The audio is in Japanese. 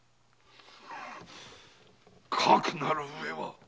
かくなるうえは。